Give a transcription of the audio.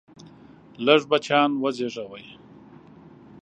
لږ بچیان وزیږوئ!